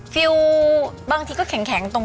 ฟิลบางทีก็แข็งตรง